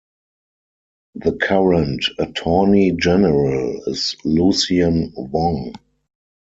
The current Attorney-General is Lucien Wong.